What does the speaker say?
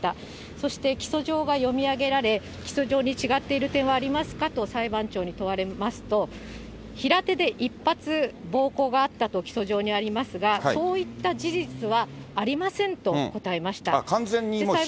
そして起訴状が読み上げられ、起訴状に違っている点はありますかと裁判長に問われますと、平手で一発、暴行があったと起訴状にありますが、そういった事実はありませんと答えました。